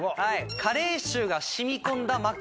加齢臭が染み込んだ枕。